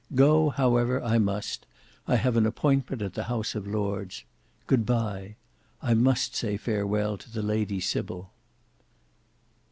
Go, however, I must; I have an appointment at the House of Lords. Good bye. I must say farewell to the Lady Sybil."